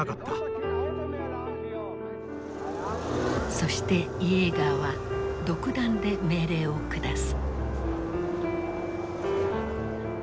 そしてイエーガーは独断で命令を下す。